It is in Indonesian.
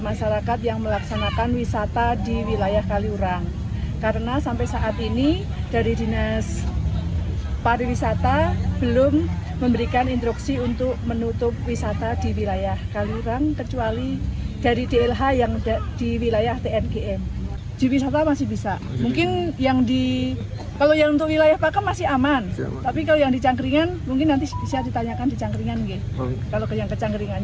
hingga kini pihak aparat keamanan maupun pemerintah setempat hanya bisa memasuki kawasan wisata kaliurang